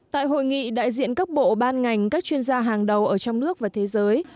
tại hội nghị đại diện các bộ ban ngành các chuyên gia hàng đầu ở trong nước và thế giới